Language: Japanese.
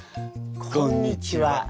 こんにちは。